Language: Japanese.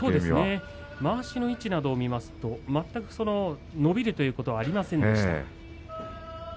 まわしの位置などを見ますと全く伸びるということはありませんでした。